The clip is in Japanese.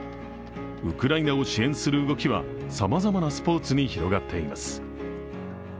ウクライナを支援する動きはさまざまなスポーツに広がっています。